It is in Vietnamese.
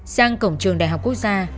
sang cổng trường đại học quốc gia